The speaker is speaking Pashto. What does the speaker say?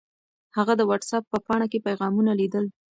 هغه د وټس اپ په پاڼه کې پیغامونه لیدل.